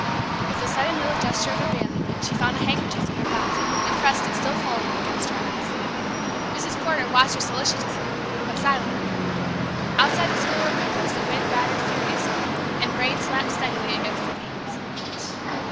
With a sudden little gesture of abandonment she found a handkerchief in her belt, and pressed it, still folded, against her eyes. Mrs. Porter watched her solicitously, but silently. Outside the schoolroom windows the wind battered furiously, and rain slapped steadily against the panes.